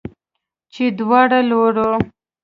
چې دواړو لورو